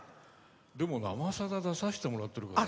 でも「生さだ」出させてもらってるからね。